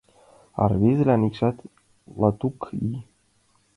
А рвезылан иктаж латкуд ий.